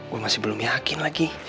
gue masih belum yakin lagi